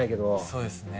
そうですね。